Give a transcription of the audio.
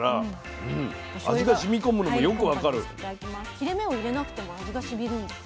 切れ目を入れなくても味がしみるんです。